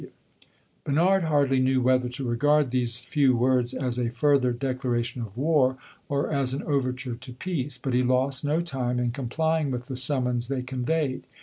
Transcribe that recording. G. W." Bernard hardly knew whether to regard these few words as a further declaration of war, or as an overture to peace; but he lost no time in complying with the summons they conveyed.